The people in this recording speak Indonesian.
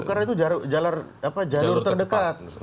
karena itu jalur terdekat